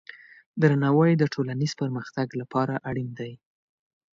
درناوی د ټولنیز پرمختګ لپاره اړین دی.